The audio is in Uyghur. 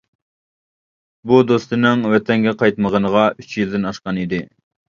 بۇ دوستىنىڭ ۋەتەنگە قايتمىغىنىغا ئۈچ يىلدىن ئاشقان ئىدى.